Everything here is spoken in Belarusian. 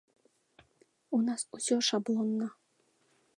У нас усё шаблонна.